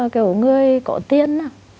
kiểu người có tiền